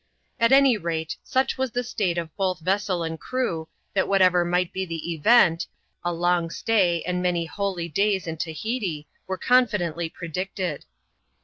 At any rate, such was the state of both vessel and crew, that whatever might be the 6vent, a long stay, and many holydays in Tahiti, were confidently predicted.